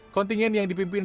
kontingen yang dipimpin